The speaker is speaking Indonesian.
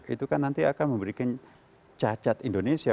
itu kan nanti akan memberikan cacat indonesia